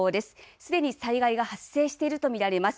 すでに災害が発生していると見られます。